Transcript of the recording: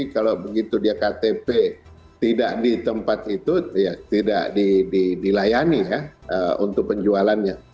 kalau begitu dia ktp tidak di tempat itu ya tidak dilayani ya untuk penjualannya